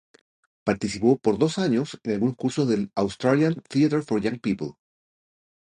Participó por dos años en algunos cursos del "Australian Theatre for Young People".